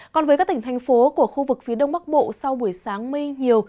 còn với các tỉnh thành phố của khu vực phía đông bắc bộ sau buổi sáng mây nhiều